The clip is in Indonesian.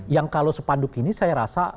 yang kalau sepanduk ini saya rasa